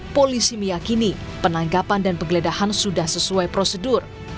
polisi meyakini penanggapan dan penggeledahan sudah sesuai prosedur